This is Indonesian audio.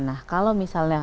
nah kalau misalnya